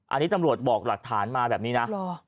อันนี้ตำรวจบอกหลักฐานมาแบบนี้นะ